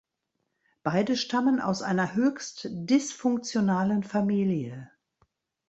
Beide stammen aus einer höchst dysfunktionalen Familie.